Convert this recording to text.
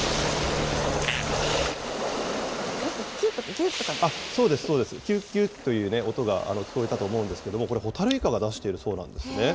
きゅっとか、そうです、そうです、きゅっきゅっという音が聞こえたと思うんですけれども、これ、ホタルイカが出しているそうなんですね。